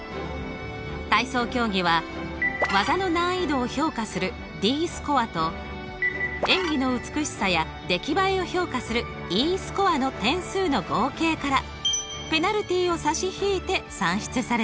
体操競技は技の難易度を評価するＤスコアと演技の美しさや出来栄えを評価するＥスコアの点数の合計からペナルティを差し引いて算出されます。